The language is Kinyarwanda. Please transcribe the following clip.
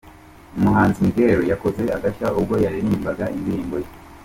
Umuhanzi Miguel yakoze agashya ubwo yaririmbaga indirimbo ye.